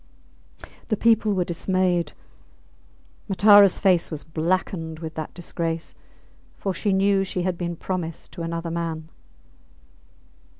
The people were dismayed; Mataras face was blackened with that disgrace, for she knew she had been promised to another man.